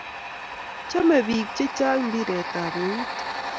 chame pik che chang mpiret ab eut